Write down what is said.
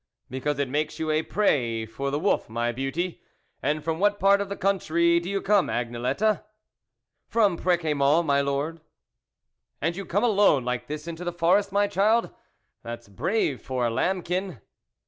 " Because it makes you a prey for the wolf, my beauty. And from what part of the country do you come, Agnelette ?"" From Pr6ciamont, my Lord." ," And you come alone like this into the forest, my child ? that's brave for a lamb kin."